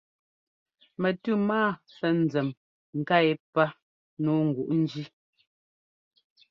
Mɛtʉ́ má sɛ́ nzěm nká yépá nǔu nguʼ njí.